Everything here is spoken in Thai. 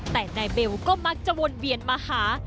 แต่นายเบลก็มักจะวนเวียนมาหา